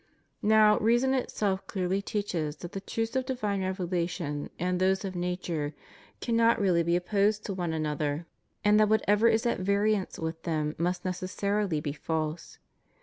Now, reason itself clearly teaches that the truths of divine revelation and those of nature cannot really be opposed to one another, and that whatever is at vari ance with them must necessarily be false.